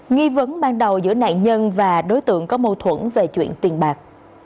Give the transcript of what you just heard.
nghi vấn ban đầu giữa nạn nhân và đối tượng có mâu thuẫn về chuyện tiền bạc